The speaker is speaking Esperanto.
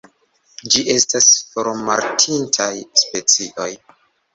Ĝi estas formortintaj specioj.